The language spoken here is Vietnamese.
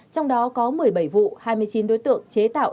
trong đó có một mươi bảy vụ hai mươi chín đối tượng chế tạo